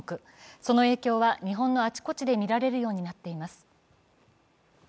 その影響は日本のあちこちで見られるようになっています。